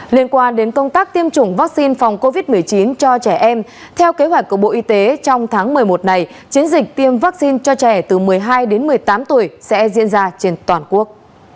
liên quan đến công tác tiêm chủng vaccine phòng covid một mươi chín cho trẻ em theo kế hoạch của bộ y tế trong tháng một mươi một này chiến dịch tiêm vaccine cho trẻ từ một mươi hai đến một mươi tám tuổi sẽ diễn ra trên toàn quốc